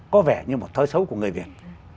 có vẻ như một thói xấu của người việt